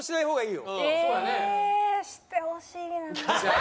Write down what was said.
ええしてほしいな。